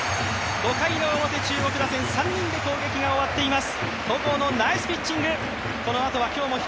５回の表、中国打線、３人で終わっています。